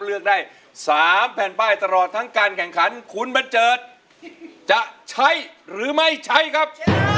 เลือกได้๓แผ่นป้ายตลอดทั้งการแข่งขันคุณบันเจิดจะใช้หรือไม่ใช้ครับ